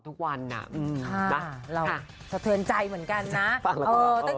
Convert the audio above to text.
แต่งั้นก็ขอโทษไปหลายครั้งรัก